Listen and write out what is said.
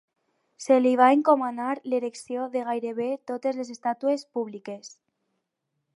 Se li va encomanar l'erecció de gairebé totes les estàtues públiques.